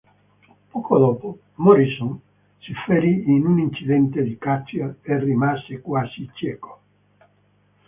Poco dopo Morison si ferì in un incidente di caccia e rimase quasi cieco.